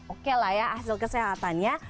oke lah ya hasil kesehatannya